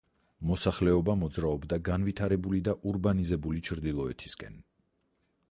მოსახლეობა მოძრაობდა განვითარებული და ურბანიზირებული ჩრდილოეთისკენ.